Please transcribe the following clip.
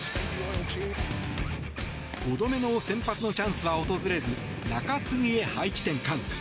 ５度目の先発のチャンスは訪れず中継ぎへ配置転換。